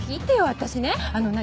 私ねあの何？